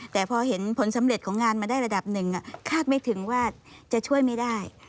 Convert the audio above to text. แต่พอเห็นผลสำเร็จของงานมาได้ระดับหนึ่งคาดไม่ถึงว่าจะช่วยไม่ได้